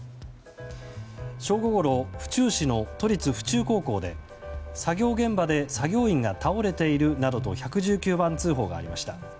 正午ごろ府中市の都立府中高校で作業現場で作業員が倒れているなどと１１９番通報がありました。